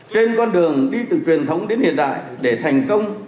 trên con đường đi từ truyền thống đến hiện đại để thành công